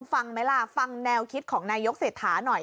ฟังไหมล่ะฟังแนวคิดของนายกเศรษฐาหน่อย